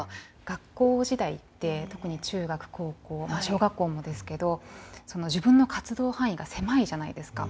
学校時代って特に中学・高校小学校もですけど自分の活動範囲が狭いじゃないですか。